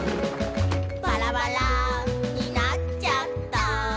「バラバラになちゃった」